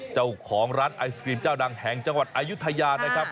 เจ้าของร้านไอศกรีมเจ้าดังแห่งจังหวัดอายุทยานะครับ